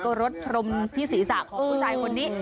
ก็รดทรมพิษีศาสตร์ของผู้ชายคนนี้